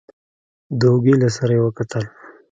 د اوږې له سره يې وکتل.